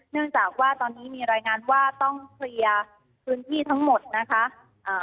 เนื่องจากว่าตอนนี้มีรายงานว่าต้องเคลียร์พื้นที่ทั้งหมดนะคะอ่า